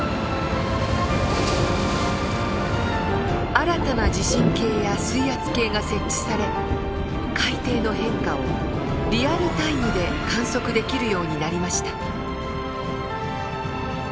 新たな地震計や水圧計が設置され海底の変化をリアルタイムで観測できるようになりました。